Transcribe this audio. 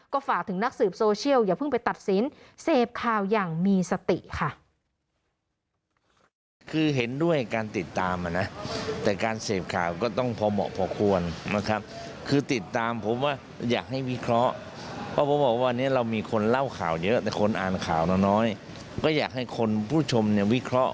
ก็ฝากถึงนักสืบโซเชียลอย่าเพิ่งไปตัดสินเสพข่าวอย่างมีสติค่ะ